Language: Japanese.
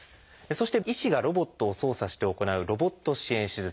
そして医師がロボットを操作して行う「ロボット支援手術」。